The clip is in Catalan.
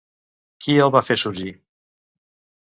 Qui el va fer sorgir?